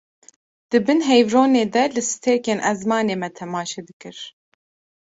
Di bin heyvronê de li stêrkên ezmanê me temaşe dikir